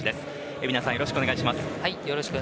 蛯名さん、よろしくお願いします。